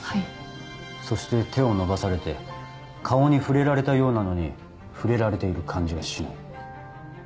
そして手を伸ばされて顔に触れられたようなのに触れられている感じがしない。